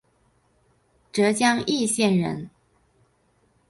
浙江鄞县人。